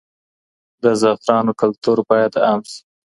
د زعفرانو کلتور باید عام شي.